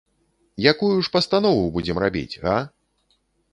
Якую ж пастанову будзем рабіць, га?